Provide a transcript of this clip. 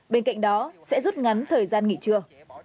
bên cạnh đó sẽ rút ngắn thời gian nghỉ trưa